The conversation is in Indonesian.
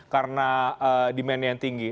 karena demandnya yang tinggi